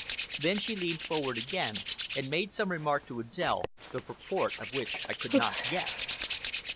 Then she leaned forward again and made some remark to Adèle, the purport of which I could not guess.